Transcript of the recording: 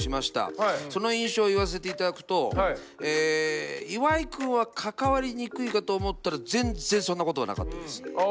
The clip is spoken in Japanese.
その印象を言わせて頂くと岩井くんは関わりにくいかと思ったら全然そんなことはなかったです。